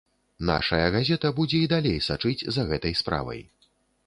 Нашая газета будзе і далей сачыць за гэтай справай.